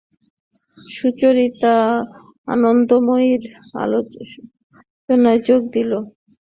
সুচরিতা আনন্দময়ীর আলোচনায় যোগ দিল না, সে চুপ করিয়াই রহিল।